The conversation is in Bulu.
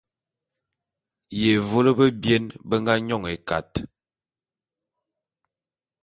Yévô bebien be nga nyon ékat.